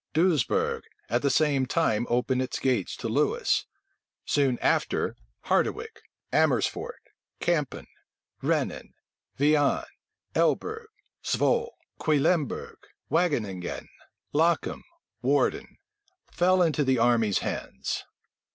Doesbourg at the same time opened its gates to Lewis: soon after, Harderwic, Amersfort, Campen, Rhenen, Viane, Elbe g, Zwol. Cuilemberg, Wageninguen, Lochem, Woerden, fe into the enemy's hands.